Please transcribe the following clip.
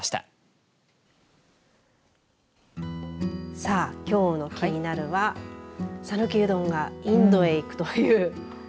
さあ、きょうのキニナル！は讃岐うどんがインドへ行くという。